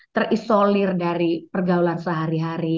terisolir dari pergaulan sehari hari